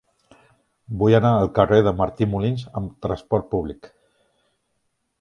Vull anar al carrer de Martí Molins amb trasport públic.